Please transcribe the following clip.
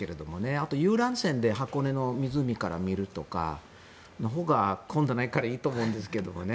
あと、遊覧船で箱根の湖から見るとかのほうが混んでないからいいと思うんですけどね。